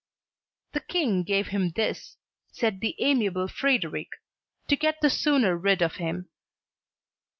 "The King gave him this," said the amiable Frederic, "to get the sooner rid of him."